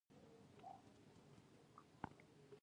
د پکتیکا په وازیخوا کې د کرومایټ نښې شته.